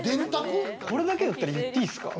これだけだったら言っていいですか。